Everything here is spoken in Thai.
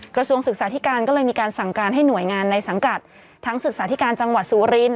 กระทรวงศึกษาธิการก็เลยมีการสั่งการให้หน่วยงานในสังกัดทั้งศึกษาธิการจังหวัดสุรินท